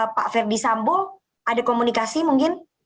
pak ferdi sambo ada komunikasi mungkin